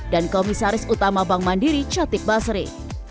dan komisaris utama bank mandiri catip basri